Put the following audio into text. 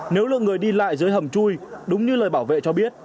nếu lượng người đi lại dưới hầm chui đúng như lời bảo vệ cho biết